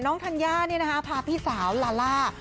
น้องธัญญาเนี่ยนะฮะพาพี่สาวลาล่า